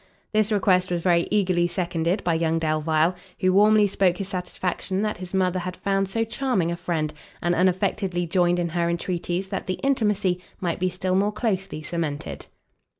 This request was very eagerly seconded by young Delvile, who warmly spoke his satisfaction that his mother had found so charming a friend, and unaffectedly joined in her entreaties that the intimacy might be still more closely cemented.